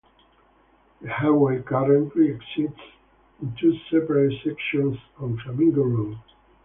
The highway currently exists in two separate sections on Flamingo Road.